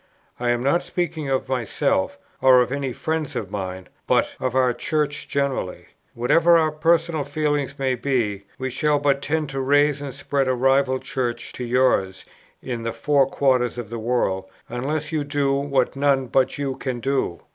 I am not speaking of myself, or of any friends of mine; but of our Church generally. Whatever our personal feelings may be, we shall but tend to raise and spread a rival Church to yours in the four quarters of the world, unless you do what none but you can do.